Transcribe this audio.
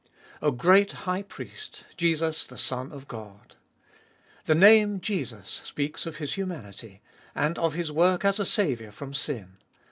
A great High Priest, Jesus the Son of God. The name Jesus speaks of His humanity, and of His work as a Saviour from sin.